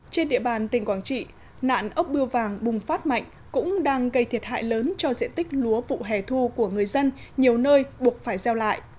trên địa bàn tỉnh quảng trị nạn ốc bưa vàng bùng phát mạnh cũng đang gây thiệt hại lớn cho diện tích lúa vụ hè thu của người dân nhiều nơi buộc phải gieo lại